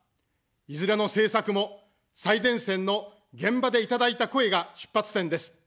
いずれの政策も、最前線の現場でいただいた声が出発点です。